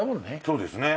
そうですね。